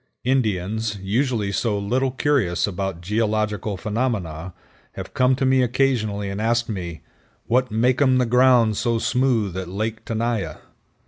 Indians, usually so little curious about geological phenomena, have come to me occasionally and asked me, "What makeum the ground so smooth at Lake Tenaya?"